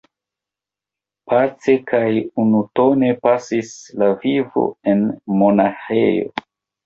Pace kaj unutone pasis la vivo en la monaĥejo.